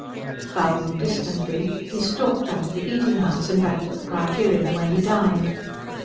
Bowing distantly he stalked out of the eating house and back to the "Criterion," where he dined.